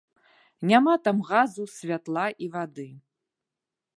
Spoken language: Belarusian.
Няма там газу, святла і вады.